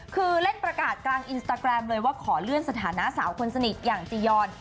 คือเล่นประกาศกลางอินสตาแกรมเลยว่าขอเลื่อนสถานะสาวคนสนิทอย่างจียอน